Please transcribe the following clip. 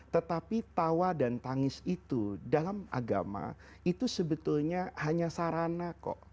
tetapi tawa dan tangis itu dalam agama itu sebetulnya hanya sarana kok